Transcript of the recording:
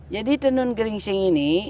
jadi tenun geringsing ini